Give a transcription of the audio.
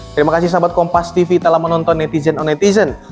terima kasih sahabat kompastv telah menonton netizen on netizen